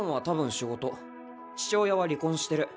父親は離婚してる。